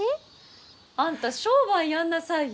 あんた商売やんなさいよ。